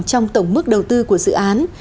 trong tổng mức đầu tư của dự án